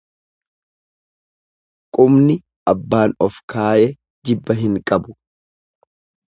Qubni abbaan of kaaye jibba hin qabu.